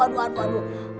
aduh aduh aduh